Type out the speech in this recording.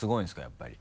やっぱり。